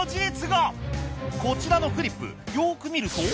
こちらのフリップよく見ると。